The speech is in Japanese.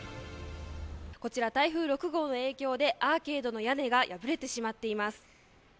こちら台風６号の影響でアーケードの屋根が破れてしまっています。